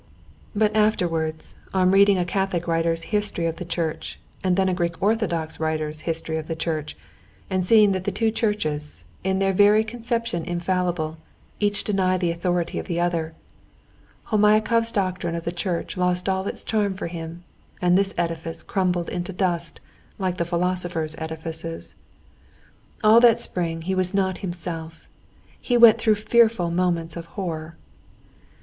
But afterwards, on reading a Catholic writer's history of the church, and then a Greek orthodox writer's history of the church, and seeing that the two churches, in their very conception infallible, each deny the authority of the other, Homiakov's doctrine of the church lost all its charm for him, and this edifice crumbled into dust like the philosophers' edifices. All that spring he was not himself, and went through fearful moments of horror.